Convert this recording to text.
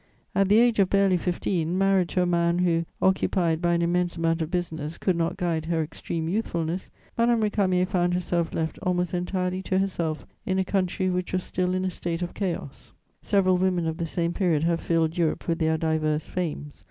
"At the age of barely fifteen, married to a man who, occupied by an immense amount of business, could not guide her extreme youthfulness, Madame Récamier found herself left almost entirely to herself in a country which was still in a state of chaos. "Several women of the same period have filled Europe with their diverse fames.